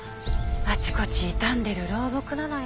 あちこち傷んでる老木なのよ。